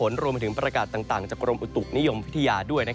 โรงพยาบาลถึงประกันต่างจากกรมอุตุศ์นิยมวิทยาด้วย